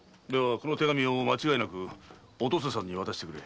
この手紙を間違いなくお登世さんに渡してくれ。